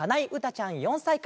ちゃん４さいから。